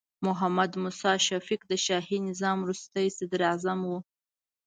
محمد موسی شفیق د شاهي نظام وروستې صدراعظم و.